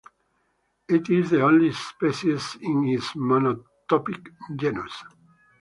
It is the only species in its monotypic genus.